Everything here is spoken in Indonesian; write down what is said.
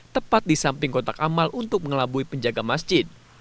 tepat di samping kotak amal untuk mengelabui penjaga masjid